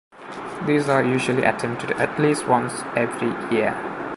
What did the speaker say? These are usually attempted at least once every year.